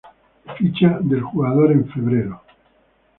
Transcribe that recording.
Ficha del jugador en feb.es